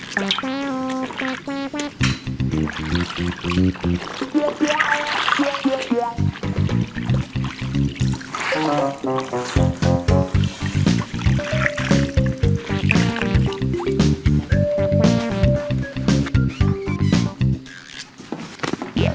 เปรี้ยวเปรี้ยวเปรี้ยว